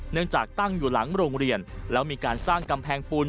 จากตั้งอยู่หลังโรงเรียนแล้วมีการสร้างกำแพงปูน